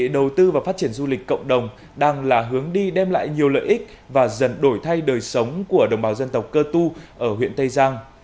đầu tư và phát triển du lịch cộng đồng đang là hướng đi đem lại nhiều lợi ích và dần đổi thay đời sống của đồng bào dân tộc cơ tu ở huyện tây giang